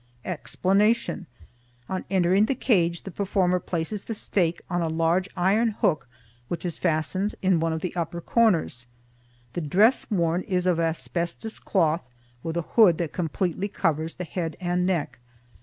Explanation: On entering the cage the performer places the steak on a large iron hook which is fastened in one of the upper corners. The dress worn is of asbestos cloth with a hood that completely covers the head and neck.